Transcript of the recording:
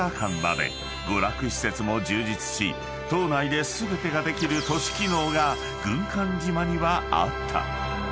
［娯楽施設も充実し島内で全てができる都市機能が軍艦島にはあった］